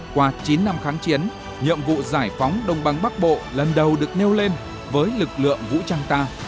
qua chín năm kháng chiến nhiệm vụ giải phóng đông băng bắc bộ lần đầu được nêu lên với lực lượng vũ trang ta